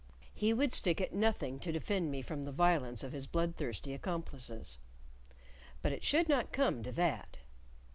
He would stick at nothing to defend me from the violence of his bloodthirsty accomplices. But it should not come to that.